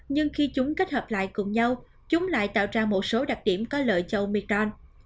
nhưng khi chúng kết hợp lại cùng nhau chúng lại tạo ra một số đặc điểm có lợi cho oecon